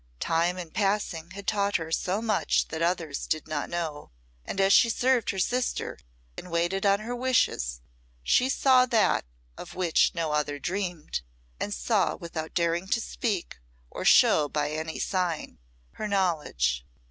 Time in passing had taught her so much that others did not know; and as she served her sister, and waited on her wishes, she saw that of which no other dreamed, and saw without daring to speak, or show by any sign, her knowledge.